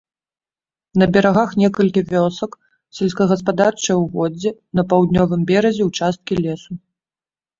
На берагах некалькі вёсак, сельскагаспадарчыя ўгоддзі, на паўднёвым беразе ўчасткі лесу.